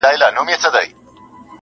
د هندوستان و لور ته مه ځه-